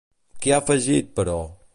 Què ha afegit, però?